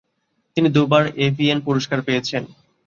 তিনি দুইবার এভিএন পুরস্কার পেয়েছেন।